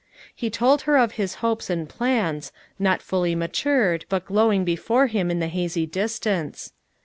He told her of his hopes and plans, not fully matured hut glowing before him in the hazy distance.